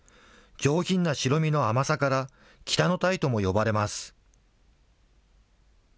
上品な白身の甘さから、北のタイとも呼ばれます。